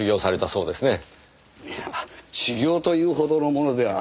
いやあ修業というほどのものでは。